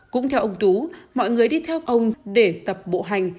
cũng theo ông tú mọi người đi theo ông để tập bộ hành